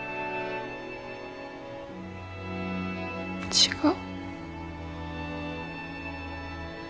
違う。